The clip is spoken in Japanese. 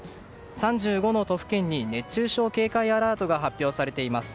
３５の都府県に熱中症警戒アラートが発表されています。